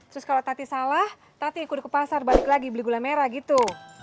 terus kalau tati salah tati ikut ke pasar balik lagi beli gula merah gitu